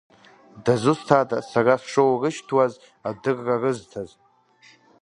Дызусҭа сара сшоурышьҭуаз адырра рызҭаз.